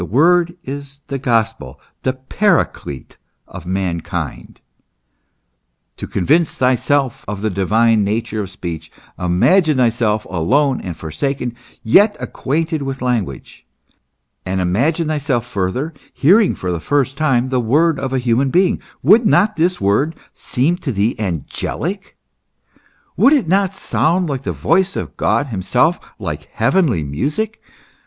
The word is the gospel, the paraclete of mankind. To con vince thyself of the divine nature of speech, imagine thyself alone and forsaken, yet acquainted with language; and imagine thyself further hearing for the first time the word of a human being : would not this word seem to thee angelic, would it not sound like the voice of God himself, like heavenly music